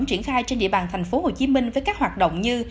triển khai trên địa bàn tp hcm với các hoạt động như